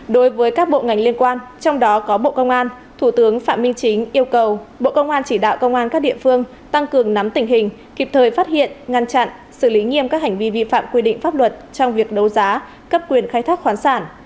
đối với các bộ ngành liên quan trong đó có bộ công an thủ tướng phạm minh chính yêu cầu bộ công an chỉ đạo công an các địa phương tăng cường nắm tình hình kịp thời phát hiện ngăn chặn xử lý nghiêm các hành vi vi phạm quy định pháp luật trong việc đấu giá cấp quyền khai thác khoán sản